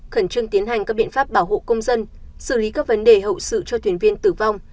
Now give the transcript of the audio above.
khẩn trương tiến hành các biện pháp bảo hộ công dân xử lý các vấn đề hậu sự cho thuyền viên tử vong